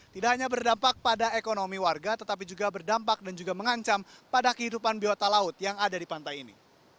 tidak hanya berdampak pada ekonomi warga tetapi juga berdampak dan juga mengancam pada kehidupan biota laut yang ada di pantai ini